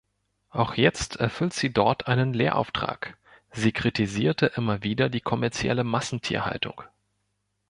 Auch jetzt erfüllt sie dort einen Lehrauftrag; sie kritisierte immer wieder die kommerzielle Massentierhaltung.